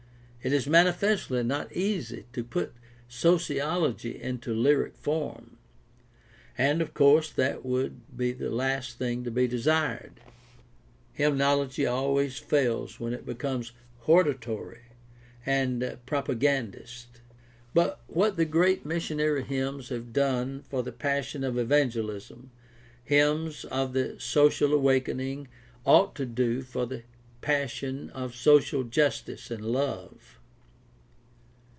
It is manifestly not easy to put sociology into lyric form; and of course that would be the last thing to be desired. Hymnody always fails when it PRACTICAL THP:0L0GY 623 becomes hortatory and propagandist. But what the great missionary hymns have done for the passion of evangelism, hymns of the social awakening ought to do for the passion of social justice and love.